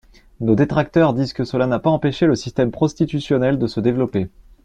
Nos détracteurs disent que cela n’a pas empêché le système prostitutionnel de se développer.